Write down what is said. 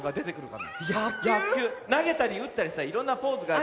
なげたりうったりさいろんなポーズがある。